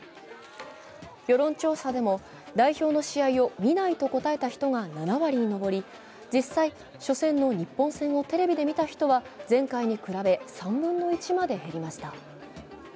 世論調査でも、代表の試合を見ないと答えた人が７割に上り、実際、初戦の日本戦をテレビで見た人は前回に比べ３分の１まで減りました。